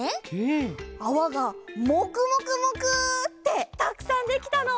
あわがもくもくもくってたくさんできたの！